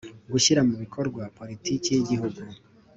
Gushyira mu bikorwa politiki y igihugu